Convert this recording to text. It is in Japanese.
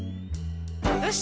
よし！